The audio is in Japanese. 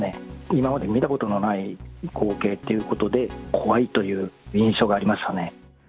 今までに見たことがない光景ということで、怖いという印象がありましたね。